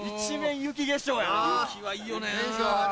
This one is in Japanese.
雪はいいよな。